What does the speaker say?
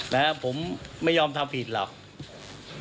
นะผมไม่ยอมทำผิดหรอกนะฮะ